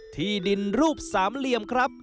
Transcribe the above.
ที่ดินรูปสามเหลี่ยมครับ